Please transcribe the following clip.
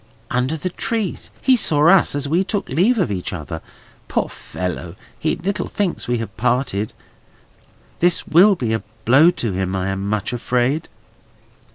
"Under the trees. He saw us, as we took leave of each other. Poor fellow! he little thinks we have parted. This will be a blow to him, I am much afraid!"